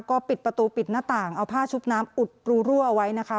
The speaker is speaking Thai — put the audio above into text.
ก็ปิดประตูปิดหน้าต่างเอาผ้าชุบน้ำอุดรูรั่วเอาไว้นะคะ